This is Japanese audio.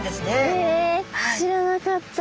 へえ知らなかった。